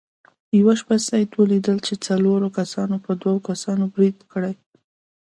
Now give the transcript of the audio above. یوه شپه سید ولیدل چې څلورو کسانو په دوو کسانو برید کړی.